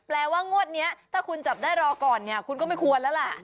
ว่างวดนี้ถ้าคุณจับได้รอก่อนเนี่ยคุณก็ไม่ควรแล้วล่ะ